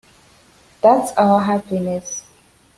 That's Our Happiness.